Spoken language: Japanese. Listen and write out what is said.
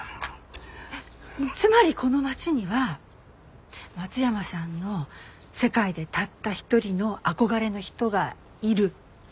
つまりこの町には松山さんの世界でたった一人の憧れの人がいる？